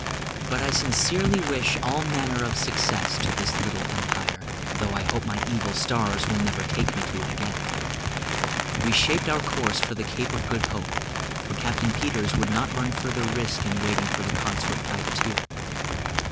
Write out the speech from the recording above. But I sincerely wish all manner of success to this little empire, though I hope my evil stars will never take me to it again. We shaped our course for the Cape of Good Hope, for Captain Peters would not run further risk in waiting for the consort privateer.